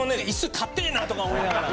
硬えなとか思いながら。